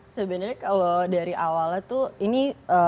sebenernya kalo dari awalnya tuh ini